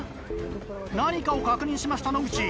何かを確認しました野口。